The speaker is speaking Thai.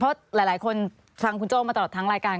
เพราะหลายคนฟังคุณโจ้มาตลอดทั้งรายการ